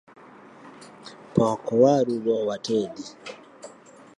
Pok waru go watedi